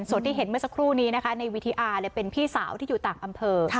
ส่วนที่เห็นเมื่อสักครู่นี้นะคะในวีทีอาร์เป็นพี่สาวที่อยู่ต่างอำเภอ